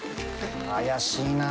怪しいなあ。